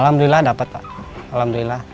alhamdulillah dapat pak alhamdulillah